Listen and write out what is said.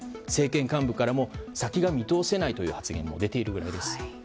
政権幹部からも先が見通せないという発言も出ているくらいです。